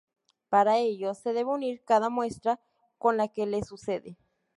Para ello, se debe unir cada muestra con la que le sucede.